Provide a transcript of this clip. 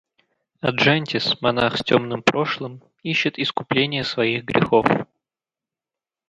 Аджантис, монах с тёмным прошлым, ищет искупления своих грехов.